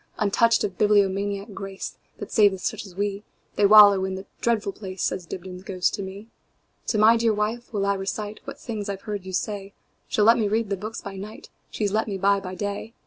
Untouched of bibliomaniac grace, That saveth such as we, They wallow in that dreadful place,"Says Dibdin's ghost to me."To my dear wife will I reciteWhat things I 've heard you say; She 'll let me read the books by nightShe 's let me buy by day.